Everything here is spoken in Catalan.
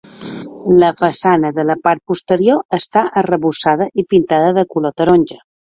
La façana de la part posterior està arrebossada i pintada de color taronja.